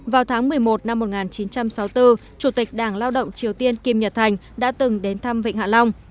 vào tháng một mươi một năm một nghìn chín trăm sáu mươi bốn chủ tịch đảng lao động triều tiên kim nhật thành đã từng đến thăm vịnh hạ long